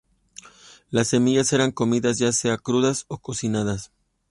Las semillas eran comidas ya sea crudas o cocinadas.